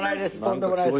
とんでもないです